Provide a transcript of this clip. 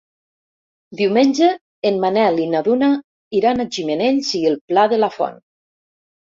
Diumenge en Manel i na Duna iran a Gimenells i el Pla de la Font.